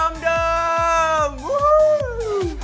วู้ฮู้